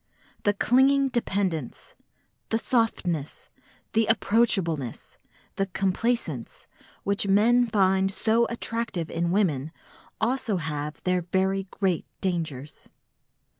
The clinging dependence, the softness, the approachableness, the complaisance which men find so attractive in women also have their very great dangers.